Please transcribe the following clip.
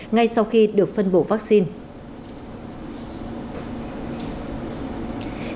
ngay sau khi được phân bổ vaccine